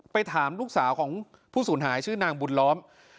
ถามลูกสาวของผู้สูญหายชื่อนางบุญล้อม